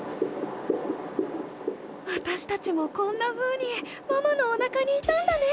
わたしたちもこんなふうにママのおなかにいたんだね！